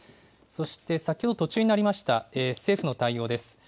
そして先ほど、途中になりました、政府の対応です。